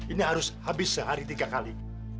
ini harus habis sehari tiga kali